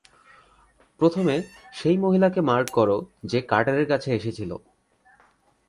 প্রথমে, সেই মহিলা কে মার্ক করো যে কার্টারের কাছে এসেছিল।